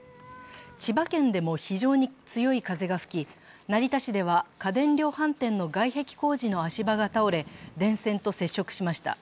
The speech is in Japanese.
千葉県でも非常に強い風が吹き、成田市では家電量販店の外壁工事の足場が倒れ電線と接触しました。